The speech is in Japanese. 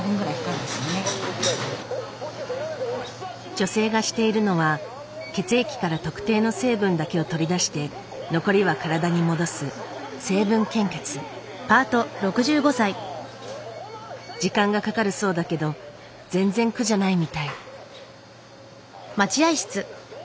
女性がしているのは血液から特定の成分だけを取り出して残りは体に戻す時間がかかるそうだけど全然苦じゃないみたい。